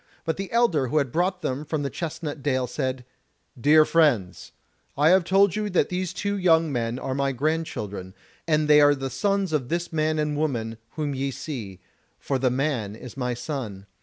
But the elder who had brought them from Chestnut dale said: "Dear friends, I have told you that these two young men are my grand children, and they are the sons of this man and woman whom ye see; for the man is my son.